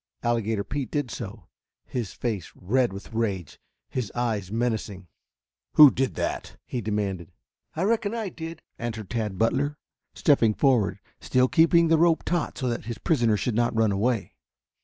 Alligator Pete did so, his face red with rage, his eyes menacing. "Who did that?" he demanded. "I reckon I did," answered Tad Butler, stepping forward, still keeping the rope taut so that his prisoner should not run away.